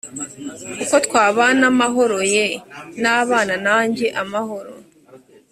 uko twabana amahoro yee nabane nanjye amahoro